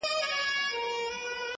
• ماخو ستا غمونه ځوروي گلي ـ